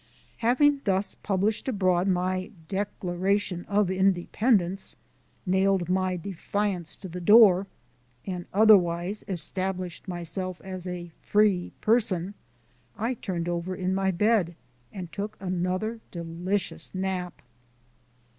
Having thus published abroad my Declaration of Independence, nailed my defiance to the door, and otherwise established myself as a free person, I turned over in my bed and took another delicious nap.